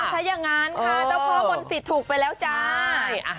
หวังว่าเต้าพ่อบรรษิตสิทธิ์ถูกไปแล้วจ้า